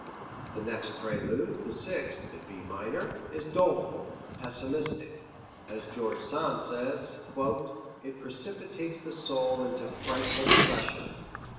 The next prelude, the sixth, in B minor, is doleful, pessimistic. As George Sand says: "It precipitates the soul into frightful depression."